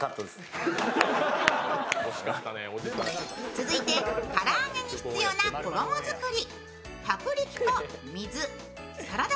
続いて唐揚げに必要な衣作り。